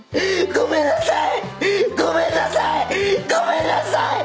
ごめんなさい！